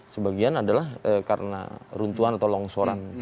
sebagian adalah karena runtuhan atau longsoran